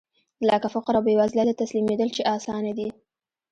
لکه فقر او بېوزلۍ ته تسليمېدل چې اسانه دي.